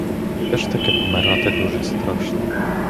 Все ж таки помирати дуже страшно.